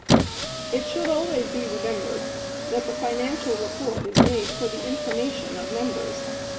It should always be remembered that the financial report is made for the information of members.